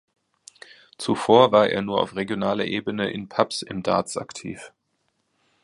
Zuvor war er nur auf regionaler Ebene in Pubs im Darts aktiv.